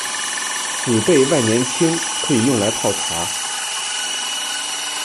紫背万年青可以用来泡茶。